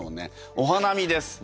「お花見です」って。